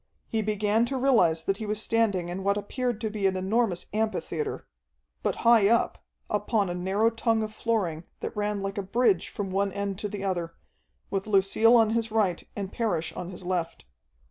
He began to realize that he was standing in what appeared to be an enormous amphitheatre. But high up, upon a narrow tongue of flooring that ran like a bridge from one end to the other, with Lucille on his right and Parrish on his left.